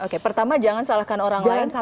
oke pertama jangan salahkan orang lain